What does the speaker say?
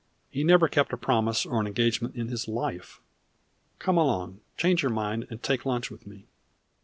He never kept a promise or an engagement in his life. Come along change your mind and take lunch with me."